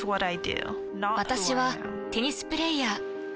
私はテニスプレイヤー。